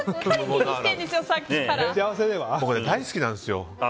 俺、大好きなんですよ